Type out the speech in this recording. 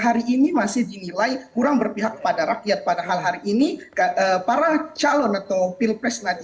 hari ini masih dinilai kurang berpihak kepada rakyat padahal hari ini para calon atau pilpres nanti